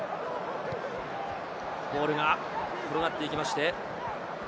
ボールが転がっていって。